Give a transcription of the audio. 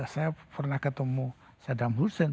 saya pernah ketemu sadam hussein